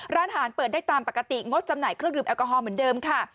ร้านอาหารเปิดได้ตามปกติงดจำหน่ายเครื่องดื่มแอลกอฮอลเหมือนเดิมค่ะ